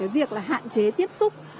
việc hạn chế tiếp xúc